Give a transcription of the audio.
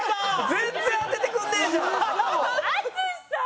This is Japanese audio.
全然当ててくんねえじゃん！